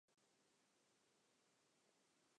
زۆر شەوم بەبێخەوی بەڕێ کردوون.